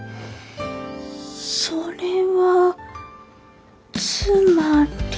それはつまり。